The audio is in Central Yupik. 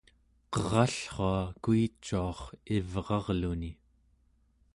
qerallrua kuicuar ivrarluni